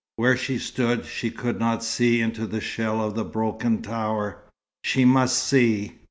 Where she stood, she could not see into the shell of the broken tower. She must see!